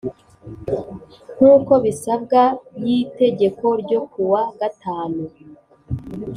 Nkuko bisabwa y itegeko ryo kuwa gatanu